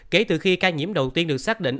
kể từ khi ca nhiễm đầu tiên được xác định